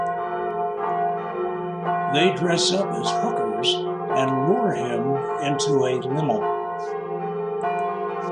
They dress up as hookers and lure him into a limo.